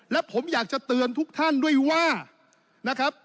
และผมอยากจะเตือนทุกท่านด้วยว่านะครับ